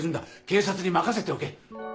警察に任せておけ。